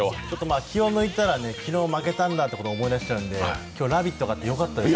気を抜いたら、昨日負けたんだってことを思い出しちゃうので、今日、「ラヴィット！」があってよかったです。